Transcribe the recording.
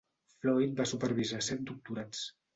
Floyd va supervisar set doctorats.